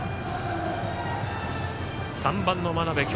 ３番の真鍋